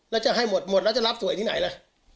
แล้วจะให้หมดหมดแล้วจะรับสวยที่ไหนล่ะ